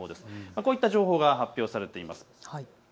こういった情報が発表されています。